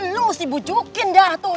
lo mesti bujukin dah tuh